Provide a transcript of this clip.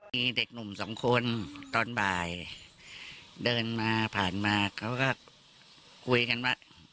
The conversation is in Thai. มีเด็กหนุ่มสองคนตอนบ่ายเดินมาผ่านมาเขาก็คุยกันว่า